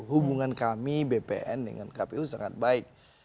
hubungan kami bpn dengan kpu sangat baik